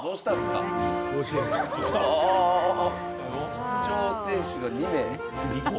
出場選手が２名？